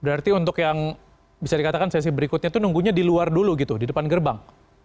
berarti untuk yang bisa dikatakan sesi berikutnya itu nunggunya di luar dulu gitu di depan gerbang